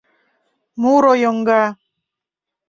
Муро йоҥга.